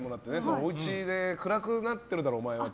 お家で暗くなってるだろお前って。